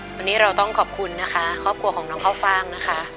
วันนี้เราต้องขอบคุณนะคะครอบครัวของน้องข้าวฟ่างนะคะ